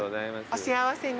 お幸せに。